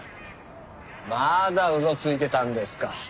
まだうろついてたんですか？